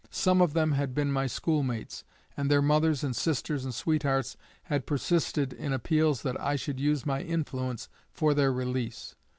Some of them had been my schoolmates, and their mothers and sisters and sweethearts had persisted in appeals that I should use my influence for their release.